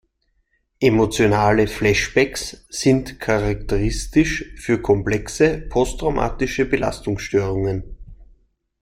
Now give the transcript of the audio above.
Emotionale Flashbacks sind charakteristisch für komplexe posttraumatische Belastungsstörungen.